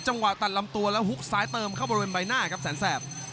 ตัดลำตัวแล้วฮุกซ้ายเติมเข้าบริเวณใบหน้าครับแสนแสบ